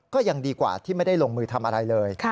ก็ยังดีกว่าที่ไม่ได้ลงมือทำอะไรเลย